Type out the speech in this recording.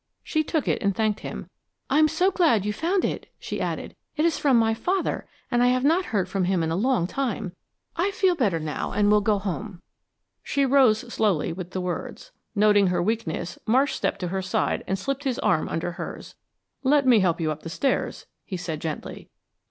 She took it and thanked him. "I'm so glad you found it," she added. "It is from my father, and I have not heard from him in a long time. I feel better now and will go home." She rose slowly with the words. Noting her weakness, Marsh stepped to her side and slipped his arm under hers. "Let me help you up the stairs," he said, gently.